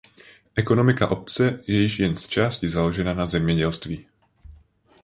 Ekonomika obce je již jen zčásti založena na zemědělství.